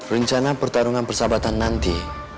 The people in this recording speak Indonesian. rencana pertarungan persahabatan nanti